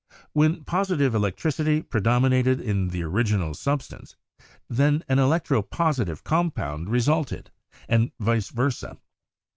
When positive electricity predominated in the original substance, then an electro positive compound resulted, and vice versa.